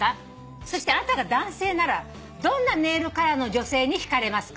「そしてあなたが男性ならどんなネイルカラーの女性に引かれますか？」